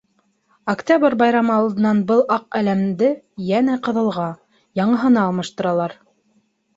Октябрь байрамы алдынан был аҡ әләмде йәнә ҡыҙылға - яңыһына алмаштыралар.